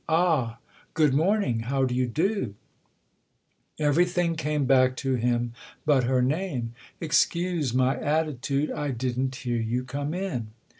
"Ah, good morning ! How d'ye do ?" Everything came back to him but her name. " Excuse my attitude I didn't hear you come in."